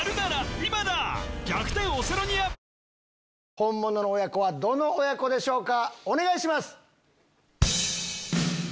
ホンモノの親子はどの親子でしょうかお願いします！